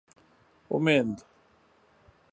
امېند